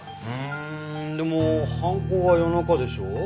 うーんでも犯行は夜中でしょ？